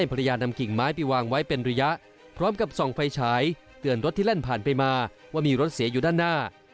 พร้อมกับส่องไฟฉายเตือนรถที่เล่นผ่านไปมาว่ามีรถเสียอยู่ด้านหน้า